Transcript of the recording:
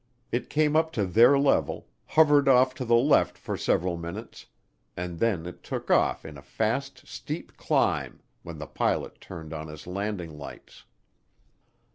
It came up to their level, hovered off to the left for several minutes, and then it took off in a fast, steep climb when the pilot turned on his landing lights.